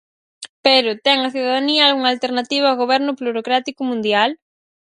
Pero, ten a cidadanía algunha alternativa ao goberno plutocrático mundial?